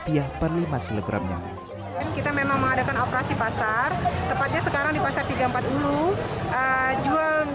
kita memang mengadakan operasi pasar tepatnya sekarang di pasar tiga ratus empat puluh